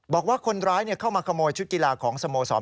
บอกว่าคนร้ายเข้ามาขโมยชุดกีฬาของสโมสร